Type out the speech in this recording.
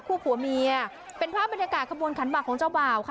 ผัวเมียเป็นภาพบรรยากาศขบวนขันบักของเจ้าบ่าวค่ะ